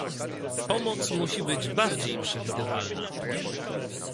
Pomoc musi być bardziej przewidywalna